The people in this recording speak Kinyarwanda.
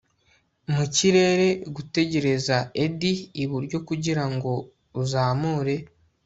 mu kirere, gutegereza eddy iburyo kugirango uzamure